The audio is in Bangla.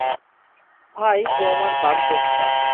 ভাই, ও আমার বাগদত্তা।